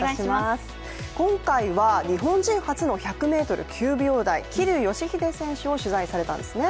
今回は、日本人初の１００ｍ９秒台桐生祥秀選手を取材されたんですね？